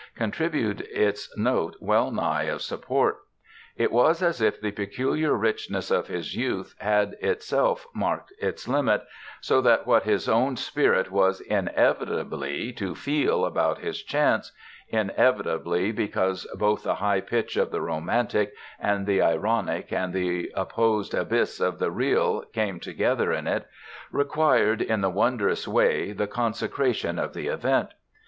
contributed its note well nigh of support. It was as if the peculiar richness of his youth had itself marked its limit, so that what his own spirit was inevitably to feel about his "chance" inevitably because both the high pitch of the romantic and the ironic and the opposed abyss of the real came together in it required, in the wondrous way, the consecration of the event.